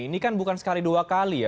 ini kan bukan sekali dua kali ya